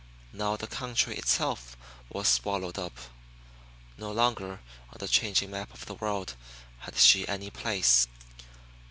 Now the country itself was swallowed up. No longer on the changing map of the world had she any place.